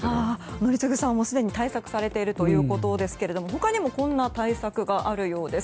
宜嗣さんもすでに対策されているということですが他にもこんな対策があるようです。